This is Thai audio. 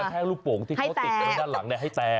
เค้าติดให้ใตก